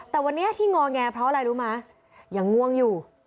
แต่วันนี้ที่งอแงเพราะอะไรรู้ไหมยังง่วงอยู่